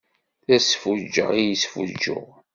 D asfuǧǧeɣ i yesfuǧǧuɣ.